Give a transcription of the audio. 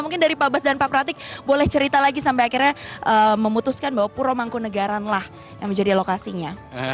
mungkin dari pak bas dan pak pratik boleh cerita lagi sampai akhirnya memutuskan bahwa puro mangkunagaran lah yang menjadi lokasinya